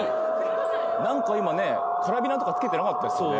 なんか今ねカラビナとかつけてなかったですもんね。